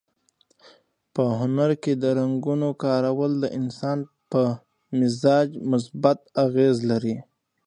په هنر کې د رنګونو کارول د انسان په مزاج مثبت اغېز لري.